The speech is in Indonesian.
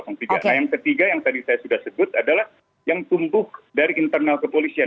nah yang ketiga yang tadi saya sudah sebut adalah yang tumbuh dari internal kepolisian